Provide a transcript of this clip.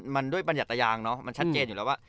มันด้วยบรรยัตยางเนาะมันชัดเจนอยู่แล้วว่า